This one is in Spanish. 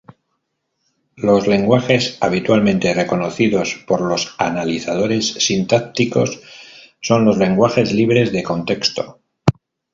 Los lenguajes habitualmente reconocidos por los analizadores sintácticos son los lenguajes libres de contexto.